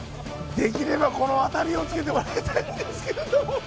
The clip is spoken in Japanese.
できればこのあたりをつけてもらいたいんですけれども。